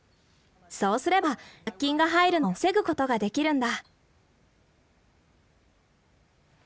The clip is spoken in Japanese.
そうすれば雑菌が入るのを防ぐことができるんだ。